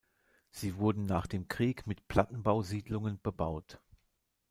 Sie wurden nach dem Krieg mit Plattenbausiedlungen bebaut.